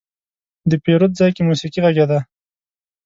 د پیرود ځای کې موسيقي غږېده.